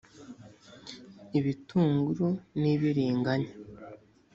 ibitunguru n’ibiringanya